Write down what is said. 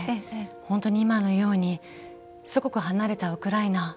本当に、今のようにすごく離れた、ウクライナ。